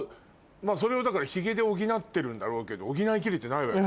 それをだからヒゲで補ってるんだろうけど補い切れてないわよね